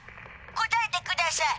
答えてくだしゃい！